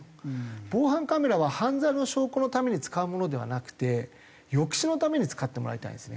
防犯カメラは犯罪の証拠のために使うものではなくて抑止のために使ってもらいたいんですね。